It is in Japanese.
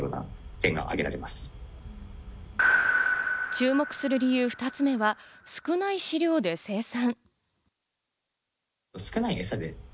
注目する理由の２つ目は少ない飼料で生産。